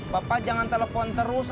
bapak jangan telepon terus